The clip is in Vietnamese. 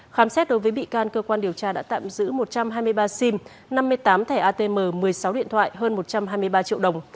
khám xét đối với bị can cơ quan điều tra đã tạm giữ một trăm hai mươi ba sim năm mươi tám thẻ atm một mươi sáu điện thoại hơn một trăm hai mươi ba triệu đồng